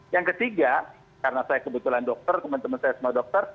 yang ketiga karena saya kebetulan dokter teman teman saya semua dokter